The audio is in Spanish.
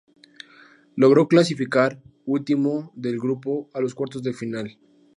Logró clasificar último del grupo a los cuartos de final.